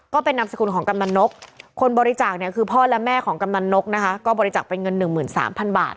ก็เป็นนามสกุลของกำนันนกคนบริจาคเนี่ยคือพ่อและแม่ของกำนันนกนะคะก็บริจาคเป็นเงิน๑๓๐๐บาท